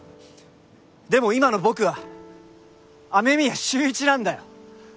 でも今の僕は雨宮秀一なんだよ。